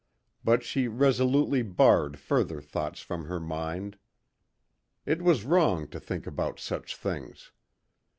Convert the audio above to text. But she resolutely barred further thoughts from her mind. It was wrong to think about such things.